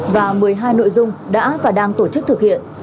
và một mươi hai nội dung đã và đang tổ chức thực hiện